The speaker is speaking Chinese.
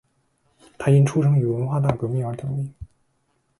他因为出生于文化大革命而得名。